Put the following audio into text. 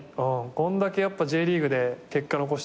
こんだけやっぱＪリーグで結果残して。